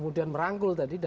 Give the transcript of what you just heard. jadi mungkin itu adalah